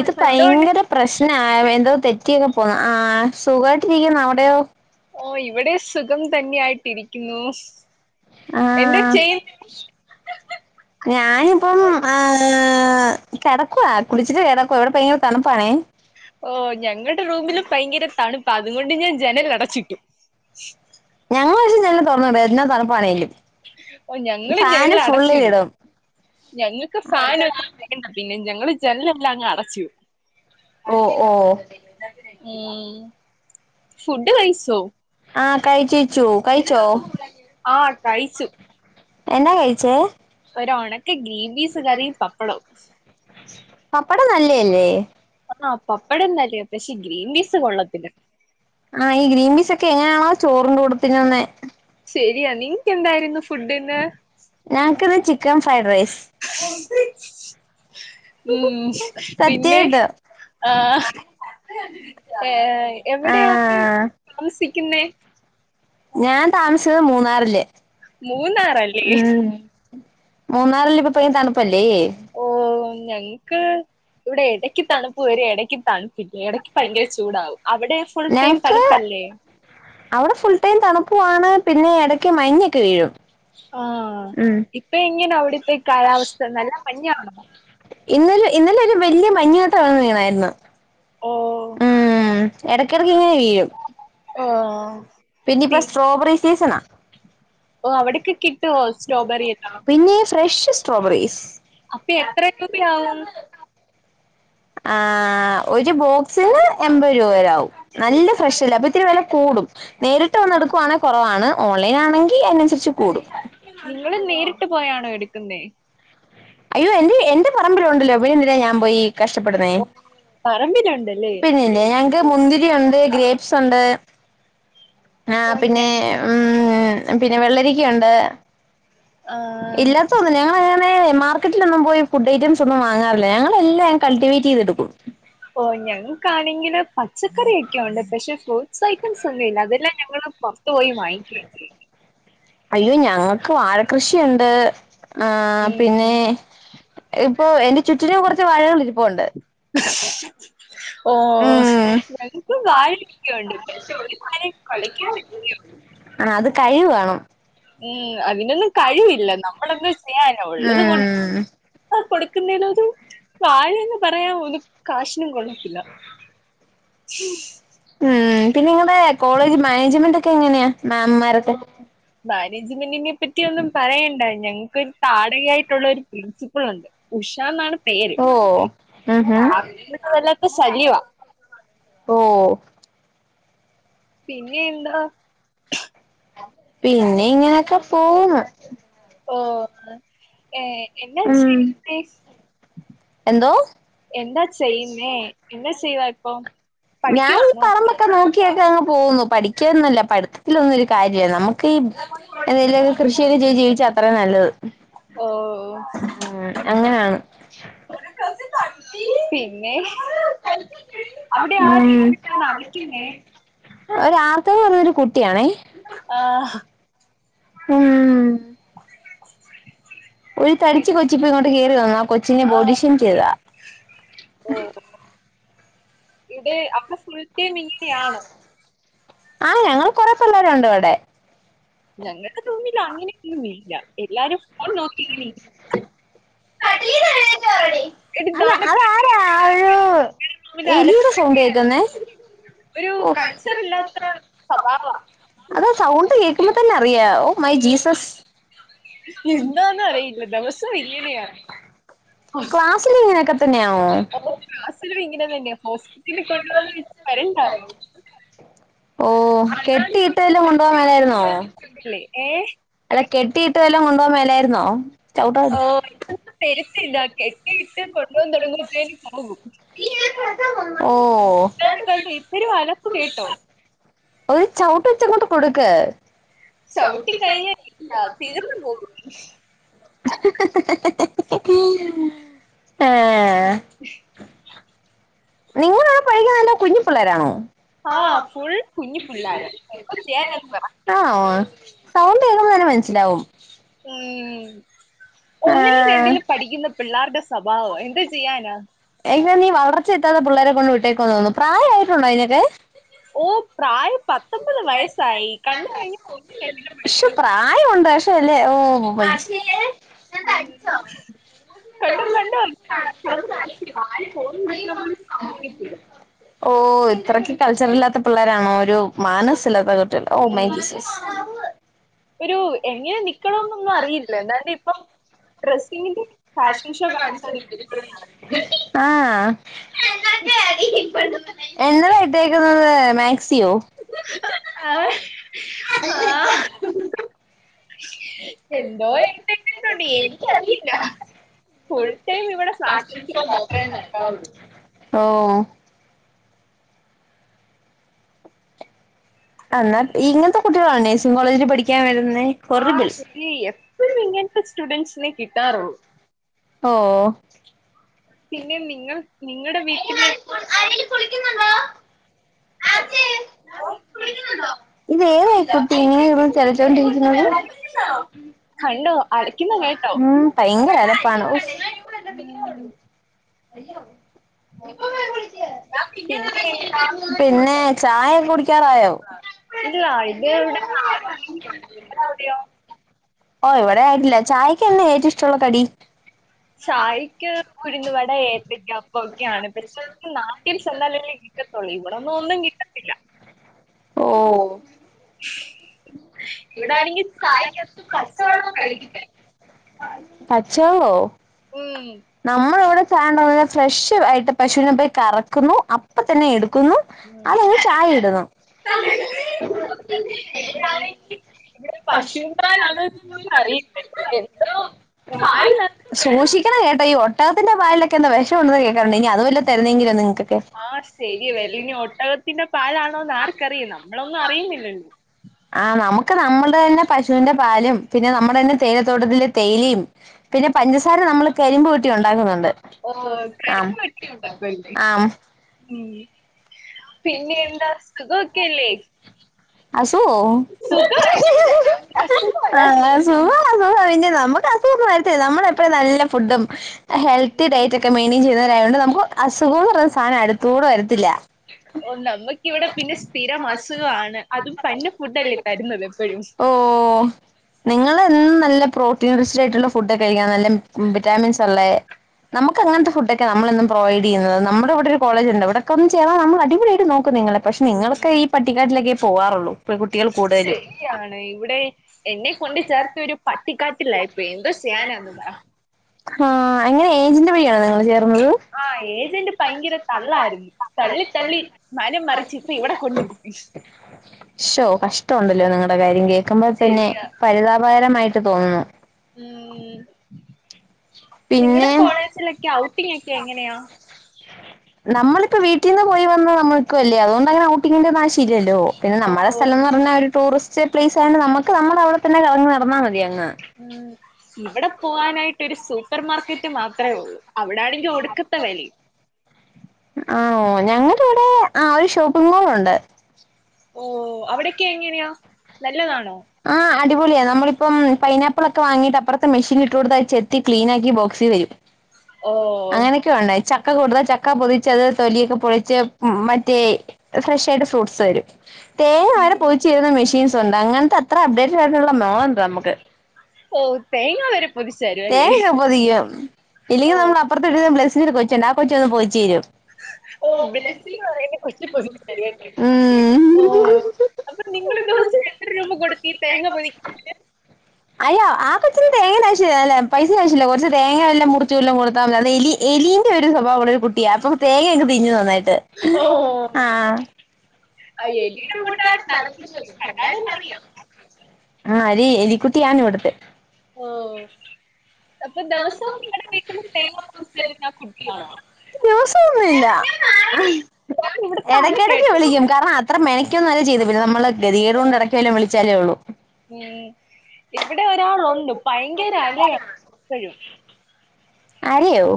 ഇത് എന്തുകൊണ്ട് ഭയങ്കര പ്രശ്നാ ആ എന്തോ തെറ്റിയൊക്കെ പോന്നആ സുഖമായിട്ടിരിക്കുന്നു അവിടെയോ ഓ ഇവിടെ സുഖം തന്നെയായിട്ടിരിക്കുന്നു. ആ എന്താ ചെയ്യ ഞാനിപ്പം ആഹ് കിടക്കുവ കുളിച്ചിട്ട് കിടക്കുവ, ഇവിടെ ഭയങ്കര തണുപ്പാണേ. ഓ, ഞങ്ങളുടെ റൂമിലും ഭയങ്കര തണുപ്പാ അതുകൊണ്ട് ഞാൻ ജനൽ അടച്ചിട്ടു. ഞങ്ങള് പക്ഷേ ജനല് തുറന്നിടും എന്നാ തണുപ്പാണെങ്കിലും, ഓ ഞങ്ങള് ഫാന് ജനൽ ഫുള്ളിൽ അടച്ചിടും ഇടും. ഞങ്ങൾക്ക് ഫാൻ [unintelligible] പിന്നെ ഞങ്ങള് ജനലല്ലാം അങ്ങ് അടച്ചിടും. ഓ ഓ ഉം ഫുഡ് കഴിച്ചോ ആഹ് കഴിചേച്ചു കഴിച്ചോആഹ് കഴിച്ചു എന്നാ കഴിച്ചേ? ഒരു ഒണക്ക ഗ്രീൻ പീസ് കറിയും പപ്പടവും. പപ്പടം നല്ലയല്ലേ. ആഹ് പപ്പടം നല്ല, പക്ഷേ ഗ്രീൻ പീസ് കൊള്ളത്തില്ല. ആഹ് ഈ ഗ്രീൻ പീസ് ഒക്കെ എങ്ങനാണോ ചോറിന്റെ കൂടെ തിന്നുന്നേ. ശരിയാ നിങ്ങക്ക് എന്തായിരുന്നു ഫുഡിന്ന്. ഞങ്ങക്കിന്ന് ചിക്കൻ ഫ്രൈഡ് റൈസ്. ഉം, പിന്നെ സത്യായിട്ടും ആഹ് ഏ എവിടെയാ ആ തമസിക്കുന്നേ. ഞാൻ താമസിക്കുന്നത് മൂന്നാറില് മൂന്നാറല്ലേ? ഉം. മൂന്നാറിലിപ്പോ തണുപ്പല്ലേ. ഓഹ് ഞങ്ങക്ക് ഇവിടെ എട ടക്ക് തണുപ്പ് വരും ഇടയ്ക്ക് തണുപ്പിക്കും ഇടക്ക് ഭയങ്കര ചൂടാവും അവിടെ ഫുൾ ടൈം ഞങ്ങക്ക് തണുപ്പല്ലേ. അവിടെ ഫുൾ ടൈം തണുപ്പുവാണ്, പിന്നെ ഇടയ്ക്ക് മഞ്ഞൊക്കെ വീഴും. ആഹ് ഇപ്പോ എങ്ങനെ അവിടത്തെ കാലാവസ്ഥ നല്ല മഞ്ഞാണോ. ഇന്നലെ ഇന്നലെ ഒരു വലിയ മഞ്ഞ് കട്ട വടെ വീണായിരുന്നു. ഓഹ് ആഹ് എടക്കിടക്ക് ഇങ്ങനെ വീഴും. ആഹ് പിന്നെപ്പോ സ്ട്രോബറി സീസണാ ഓഹ് അവിടൊക്കെ കിട്ടുവോ സ്ട്രോബെറി എല്ലാം? പിന്നെ. Fresh strawberries. അപ്പോ എത്ര രൂപയാവും? ആ ഒരു ബോ സിന് എമ്പത് രൂപയാകും, നല്ല ഫ്രഷല്ലേ അപ്പോ ഇത്തിരി വില കൂടും, നേരിട്ട് വന്ന് എടുക്കുവാണെ കുറവാണ്. ഓൺലൈൻ ആണെങ്കിൽ അതിനനുസരിച്ച് കൂടും നിങ്ങള് നേരിട്ട് പോയാണോ എടുക്കുന്നേ. അയ്യോ എന്റെ എന്റെ പറമ്പിലുണ്ടല്ലോ പിന്നെന്തിനാ ഞാൻ പോയി. കഷ്ടപ്പെടുന്നേ, പറമ്പിലുണ്ടല്ലേ? പിന്നെല്ലേ ഞാൻ മുന്തിരി ഉണ്ട്, ഗ്രേപ്സ് ഉണ്ട് ആ ഓഹ് പിന്നെ ഞ ഉം പിന്നെ വെള്ളരിക്കയുണ്ട്. ആഹ് ഇല്ലാട്തോന്നില്ല. ആ പുറമേ മാർക്കറ്റിലൊന്നും പോയി ഫുഡ് ഐറ്റംസ് ഒന്നും വാങ്ങാറില്ല. ഞങ്ങളെല്ലാം ഞാൻ കൾട്ടിവേറ്റ് ചെയ്തെടുക്കും. ഓ ഞങ്ങക്കാണെങ്കില് പച്ചക്കറി ഒക്കെ ഉണ്ട്. പക്ഷെ ഫ്രൂട്ട്സ് ഐറ്റംസ് ഒന്നും ഇല്ല. അതെല്ലാം ഞങ്ങള് പൊറത്ത് പോയി വാങ്ങിക്കും. അയ്യോ ഞങ്ങക്ക് വാഴ കൃഷിയുണ്ട്. ആഹ് ഉം പിന്നെ ഇപ്പോ എന്റെ ചുറ്റിനും കുറച്ച് വാഴകൾ ഇരിപ്പുണ്ട്. ഓ ഉം ഞങ്ങക്കും വാഴ ഒക്കെയുണ്ട്, പക്ഷേ ഒരു കുലയും കുലയ്ക്കുന്നില്ല. ആ അത് കഴിവ് വേണം. ഏഹ് അതിനൊന്നും കഴിവില്ല നമ്മളെന്ത് സെയ്യാന ഉള്ളത് കൊട് ഉം ആ കൊടുക്കുന്നലേതും വാഴേന്ന് പറയാവോ ഒന്ന് കാശിനും കൊള്ളത്തില്ല. എഹ് പിന്നെങ്ങടെ കോളേജ് മാനേജ്മെൻ്റൊക്കെ എങ്ങനെയാ മേ മത് മാനേജ്മെന്റിനെ പറ്റി ഒന്നും പറയണ്ട ഞങ്ങ് ര് താടകയായിട്ടുള്ള ഒരു പ്രിൻസിപ്പിൾ ഉണ്ട് ഉഷ എന്നാണ് പേ ഓഹ് അ ആഹ് അ [inaudible] വല്ലാത്തെ ശല്ല്യൊവാ. ഓഹ് പിന്നെയെന്താ? പിന്നെ ഇങ്ങനെയൊക്കെ പോവ്ന്ന്. ഓഹ് ഏഹ് എന്നാ ഉം ചെയ്യുന്നേ? എന്തോ എന്താ ചെയ്യുന്നേ എന്താ ചെയ്യുവാ ഇപ്പൊ? ഞാൻ ഈ പഠിക്കുവാണോ പറമ്പൊക്കെ നോക്കിയൊക്കങ്ങ് പോവ്ന്നു. പഠിക്കൊന്നല്ല പഠിത്തിലൊന്നൊരു കാര്യ നമു ക്കി എന്തെലൊക്കെ കൃഷിയെയ്ത് ജ് ജീവിച്ചാ അത്രേ നല്ലത്. ഓ ആഹ് അങ്ങനാണോ? പിന്നെ അവിടെ ആരെങ്കിൽ അളിക്കുന്നേ ഒരാർഥവ് പറന്നൊരു കുട്ടിയാണേ. ആഹ് ഹാ ഉം ഒരു തടിച്ചി കൊച്ചിപ്പോ ഇങ്ങോട്ട് കേറി വന്ന് ആ കൊച്ചിനെ ബോഡിഷേം ചെയ്തതാ ആഹ് എടി അവിടെ ഫുൾ ടൈമിങ്ങിനെ ആണോ? ആഹ് ഞങ്ങൾ കൊറെ പിള്ളേരുണ്ട്വ്ടെ. ഞങ്ങടെ റൂമില് അങ്ങനെയൊന്നുമില്ല എല്ലാരും ഫോൺ നോക്കിങ്ങനെ ഇര് എടി അത നാണക്കെടുത്തല്ലെ അതാരാ ഇവിടവിടെ ഒരു ആൾക്കാര് ആ എലിയുടെ സൗണ്ട് കേക്കുന്നേ? ഒരു ഓഹ് കൾച്ചറില്ലാത്ത സ്വഭാവ. അത് സൗണ്ട് കേക്കുമ്പോ തന്നറിയാ ഓ മൈ ജീസസ്. എന്താന്നറിയില്ല ദെവസം ഇങ്ങനെയാ ഹൊ ച്ചിലിങ്ങനക്കതന്നെയാവോ? ക്ലാസ്സിലു ഇങ്ങനെ തന്നെ ഹോസ്പറ്റില് കൊണ്ടോന് [unintelligible] ഓഹ് കെട്ടിയിട്ടെല്ലാ കൊണ്ടോവാൻ മോലായിരുന്നോ? ല്ലേ ഏ അല്ല കെട്ടിയിട്ട് വല്ലോം കൊണ്ടോന് മേലായിരുന്നോ? ചവിട്ടാടി ഓഹ് തെരിക്കില്ല കെട്ടിയിട്ട് കൊണ്ടു വാ തോടങ്ങുമ്പോത്ത്ത്തേന് പോകും. ഓ തേണ്ട്താണ്ട് ഇത്തിരി വലക്കു കേട്ടോ? ഒരു ചവ്ട്ട് വെച്ചങ്ങോട്ട് കൊടുക്ക്. ചവിട്ടി കഴിഞ്ഞാൽ ചൗട്ടിക്കഴിഞ്ഞല്ലാത്തിലും തികർന്നു പോകും ഹേ നിങ്ങളവ്‌ടെ പഠിക്കാ വര്ന്നേ കുഞ്ഞി പിള്ളേരാണോ? ആഹ് ഫുൾ കുഞ്ഞി പിള്ളേര ഒക്കെ ചെ എൽപ്പറാ ആഹ് സൗണ്ടേക്കുമ്പോ തന്നെ മനസ്സിലാവും. ഉം ഒന്നിലും ആഹ് രണ്ടിലും പഠിക്കുന്ന പിള്ളാരുടെ സ്വഭാവ എന്താ ചെയ്യാന? എനാ നീ വളർച്ചെത്താത്തെ പിള്ളാരെ കൊണ്ട് വിട്ടേക്കുവാതോന്നുന്നു പ്രായമായിട്ടുണ്ടോ അയിനൊക്കെ ഓഹ് പ്രായം പത്തൊമ്പത് വയസ്സായി കണ്ടുകഴിഞ്ഞ ഒന്നിലും രണ്ടിലും പഠി ശൊ പ്രായുണ്ടക്ഷേല്ലേ ഓഹ് കണ്ടേ കണ്ടേ [unintelligible] ഓ ഇത്രക്ക് കൾച്ചറില്ലാത്ത പിള്ളേരാണോ ഒരു മാനോസില്ലാത്ത കുട്ടികള് ഓ ഉം. [unintelligible] ഒരു എങ്ങനെ നിക്കണൊന്നൊന്നും അറിയില്ല എന്തായാലും ഇപ്പം ഡ്രെസ്സിംഗിന്റെ ഫാഷൻഷോ കാണാ [unintelligible] ആഹ് എന്നതാ ഇട്ടേക്കുന്നത് മേക്സിയോ ആഹ് എന്തോ ഇട്ടിട്ടുണ്ട് എനിക്കറിയില്ല ഫുൾടൈം ഇവിടെ ഫാസൻസ [unintelligible] ഓഹ് അന്നാ ഉം. ഇങ്ങൻത്തെ കുട്ടികളാണ് നേഴ്സിംഗ് കോളേജിൽ പഠിക്കാൻ വരുന്നെ കൊറ്ള്പിസ് ഈ എപ്പഴും ഇങ്ങൻത്തെ സ്റ്റുഡൻസിനെ കിട്ടാറുള്ളൂ കിട്ടാറുള്ളു ഓഹ് പിന്നെ നിങ്ങൾ നിങ്ങടെ വീട്ടില് ഇത് യെതായികുട്ടി ഇങേനെ കെട്ന്ന് ചെലച്ചോണ്ടിരിക്കുന്നത് [unintelligible] കണ്ടോ അലക്കുന്ന കേട്ടോ ഉം ഭയങ്കര അലപ്പാണ് ഏഹ് പിന്നെ ചായകെ കുടിക്കാറായോ ഇല്ല ഇത് ഇവിടെ അവിടെയോ ഓ ഇവിടെ ആയിട്ടില്ല ചായക്കെ ന്നാ ഏറ്റവും ഇഷ്ടള്ള കടി ചായ്ക്ക് ഉയ്ന്ന് വട ഏത്തക്ക അപ്പോക്കെയാണ് പിന്നെ നാട്ടിൽ ചെന്നാൽ കെത്തോള്ളീം ഇവിടെന്നും ഒന്നും കിട്ടത്തില്ല ഇവിടെ ആണെങ്കിൽ ഇവിടാണങ്കി ചായക്ക് ച്ചായക്ക് പച്ചവെള്ളം കലക്കി തരും. തെരും പച്ച വെള്ളോ ഉം നമ്മള് വിടെ ചായണ്ടക്കന്ന ഫ്രഷ് ആയിട്ട് പശുവിനെ പോയി കറക്കുന്നു അപ്പ തന്നെ എടുക്കുന്നു അതെയ്ഞ് ചായ ഇടുന്നു പേരാണ് ഇവിടെ പശുപാലാണ് പശൂൻന്നാണോ അറിയില്ല എന്തോ പാലിലാണ് സൂക്ഷിക്കണം കേട്ടോ ഈ ഒട്ടകത്തിന്റെ പാലിലൊക്കെന്തോ വെഷമുണ്ടെന്ന് കേൾക്കാറുണ്ട് ഇനി അത് വല്ല തരുന്നെങ്കിലോ നിങ്ങക്കൊക്കെ ആഹ് ശരി വെല്ലേ ഇനി ഒട്ടകത്തിന്റെ പാലാണോന്ന് ആർക്കറിയാം നമ്മളൊന്നും അറിയുന്നില്ലല്ലോ ആഹ് നമുക്ക് നമ്മള്ടെ ന്നെ പശുവിന്റെ പാലും പിന്നെ നമ്മുടെ തന്നെ തേയിലത്തോട്ടത്തിലെ തേയിലിം പിന്നെ പഞ്ചസാര നമ്മ കരിമ്പ് ഊറ്റി ഉണ്ടാക്കുന്നുണ്ട് ഓ ആഹ് കരിമ്പ് കിട്ടി കരിമ്പ് ഊറ്റി ഉണ്ടാക്കല്ലേ കുഴപ്പമില്ലേ ആഹ് ആഹ് ഉം പിന്നെ എന്താ സുഖോക്കെല്ലേ അസുഖോ അസുഖമല്ല ആഹ് സുഖം. സുഖാണ് സുഖാണ് നമുക്ക് അസുകൊന്നും വരത്തില്ലല്ലോ നമ്മള് എപ്പയും നല്ല ഫുഡും ഹെൽത്തി ഉം. ഡയറ്റ ക്കെ എന്നിവ ചെയ്യുന്നവരായതൊണ്ട് നമുക്ക് അസുഖംന്ന് പറഞ്ഞ സാധനം അടുത്തുടെ വരത്തില്ല ഓ നമ്മക് വിടെ പിന്നെ സ്ഥിരം അസുഖാണ് അതും പന്ന ഫുഡേല്ലേ തരുന്നത് എപ്പഴും ഓഹ് നിങ്ങളെന്നും നല്ല പ്രോട്ടീൻ റിച്ച്ഡായിട്ടുള്ള ഫുഡ് കഴിക്ക്ണ് നല്ല വിറ്റാമിൻസ്ള്ളേ നമുക് അങ്ങനത്തെ ഫുഡക്കെ ക്കെ നമ്മമെന്നും പ്രൊവൈഡയ്യുന്നത് നമ്മുടെ വെടെ രു കോളേജുണ്ട് വെടെക്കോന്ന് ചേർനാ നമ്മളടിപൊളിയായിട്ട് നോക്കും നിങ്ങളെ പക്ഷെ ഉം. നിങ്ങളൊക്കെ ഈ പട്ടിക്കാട്ടിലെക്കെ പോകാറോള്ളൂ ശരിയാണ് ഇവിടെ എന്നെ കൊണ്ട് ചേർത്ത ഒരു പട്ടിക്കാട്ട പട്ടികാട്ടിലായി പോയി എന്തോ ചെയ്യാനാ ന്ന് പറ ആഹ് അങ്ങനെ ഏജന്റ് വയിയാണോ നിങ്ങൾ ചെർ ആഹ് ഏജന്റ് ഭയങ്കര തള്ളായിരുന്നു തള്ളി തള്ളി തള്ളി മനം മറിച്ചിപ്പം ഇവിടെ കൊണ്ടിരിത്തി ശോ കഷ്ടൊണ്ടല്ലോ നിങ്ങടെ കാര്യം കേക്കുമ്പോ തന്നെ ശരിയാ പരിതാപകരമായി തോന്നുന്നു ഉം നിങ്ങടെ പിന്നെ കോളേജിലൊക്കെ ഔട്ടിംഗൊക്കെ എങ്ങനെയാ നമ്മളിപ്പ വീട്ടീന്ന് പോയി വന്ന് നമ്മള് ക്കുവല്ലേ അതുകൊണ്ട് അങ്ങനെ ഔട്ടിംഗിന്റെ ഒന്നും ആവിശ്യല്ലല്ലോ പിന്നെ ഓ നമ്മടെ സ്ഥലോന്ന് പറഞ്ഞാ ഒരു ടൂറിസ്റ്റ് പ്ലേസ് ആയോണ്ട് നമ്മക്ക് നമ്മടെ അവിടെ തന്നെ കറങ്ങി നടന്നാ മതി അങ്ങ് ഉം ഇവടെ പോവാനായിട്ട് ഒരു സൂപ്പർ മാർക്കറ്റ് മാത്രേ ഒള്ളൂ അവിടാണെങ്കി ഒടുക്കത്തെ വെലേം ആഹ് ഞങ്ങടെ ഇവിടെ ആഹ് ഒരു ഷോപ്പിംഗ് മോൾ ഒണ്ട് ഓഹ് അവിടൊക്കെ എങ്ങനെയാ നല്ലതാണോ ആഹ് അടിപൊളിയാ നമ്മളിപ്പം പൈനാപ്പിളൊക്കെ വാങ്ങീട്ട് അപ്പറത്തെ മിഷീനി ഇട്ടു കൊടുത്താ അത് ചെത്തിക്ലീനാക്കി ബോക്സി വെരും ഓ അങ്ങനെ ക്കെ ഒണ്ടായി ചക്ക കൊടുത്താ ചക്ക പൊതിച്ചത് തൊലിയൊക്കെ പൊളിച്ച് മറ്റേ എ ഫ്രഷായിട്ട് ഫ്രൂട്ട്സ് വരും തേങ്ങ വരെ ഉം, പൊതിച്ച്തരുന്ന മെഷീൻസൊണ്ട് അങ്ങനത്തെ അത്ര അപ്ഡേറ്റഡ് ആയിട്ടൊള്ള മോള്ണ്ടമ്മക്ക് ഓ തേങ്ങ വരെ പൊതിച്ചു തരും അല്ലേ തേങ്ങയൊക്കെ പൊതിക്കും ഇല്ലെങ്കി ഓ നമ്മടെ അ അപ്പറത്തൊരു ബ്ലസീട കൊച്ചൊണ്ട് ആ കൊച്ച് വന്ന് പൊതിച്ചുതരും ഓ ഓഹ് ബെൻസ് ബ്ളസീന്ന്‌ കൊച്ചു പറയുന്ന കൊച്ച് പൊസിഷൻ അല്ലേ പൊതിച്ച് തരുവല്ലെ ഉം ഓ അപ്പൊ നിങ്ങളി ദെവസോം എത്ര രൂപ കൊടുത്തീ തേങ്ങ പൊതി അയ്യോ ആ കൊച്ചിന് തേങ്ങേടെ ആവശ്യില്ല അല്ല പൈസേടെ ആവിശ്യില്ല കൊറച്ച് തേങ്ങ വല്ലോം മുറിച് ച്ചു വല്ലോം കൊടുത്താമതി അത് എലി എലീന്റെ ഒരു സ്വഭാവാണ് ഒരു കുട്ടി അപ്പം തേങ്ങയൊക്കെ തിന്നും നന്നായിട്ട് ഓ ഓ ഓ ആ [unintelligible] എീട് [unintelligible] കൂട്ടാട് [unintelligible] നടക്കുന്നത് [unintelligible] കണ്ടാലും അറിയാം ആഹ് ഒര് എലികുട്ടിയാണിവിടുത്തെ ഓഹ് അപ്പൊ ദെവസോം നിങ്ങടെ വീട്ടീന്ന് തേങ്ങ [unintelligible] ആ കുട്ടിയാണോ വസോം ഒന്നുവില്ല ഞാൻ ഇവിടുത്തെ അല എടക്കെടക്ക് കേട്ടു വിളിക്കും കാരണം അത്ര മെനക്കൊന്നുംല്ല ചെയ്ക പിന്ന നമ്മള് ഗതികേടോണ്ട് എടക്കു വല്ലോം വിളിച്ചാലേ ഒള്ളൂ ഉം ഇവിടെ ഒരാളൊണ്ട് ഭയങ്കര അലയാ എപ്പഴും അലയോ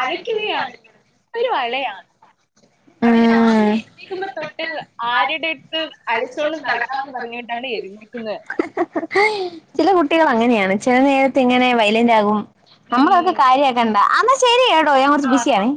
അലയ്ക്കുകയാണ് പ്പഴും അലയാന്ന്‌ അതേ ഈ കാ ക്കുമ്പൊ തൊട്ട് ആരെടടുത്ത് അലച്ചോണ്ട് നടക്കാന്ന് പറഞ്ഞീട്ടാണ് എഴുന്നെ ക്കുന്നെ ഹായ് ചില കുട്ടികള് അങ്ങനെയാണ് ചെല നേരത്തിങ്ങനെ വൈലന്റാകും നമ്മളതൊക്കെ ഉം കാര്യാക്കണ്ടാ അന്നാ ശരി കേട്ടോ ഞാൻ കൊറച്ച് ആ ബിസിയാണോ